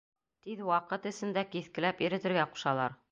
Тиҙ ваҡыт эсендә, киҫкеләп, иретергә ҡушалар.